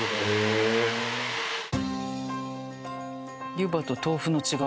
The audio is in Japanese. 湯葉と豆腐の違い。